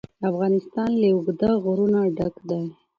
افغانستان له اوږده غرونه ډک دی.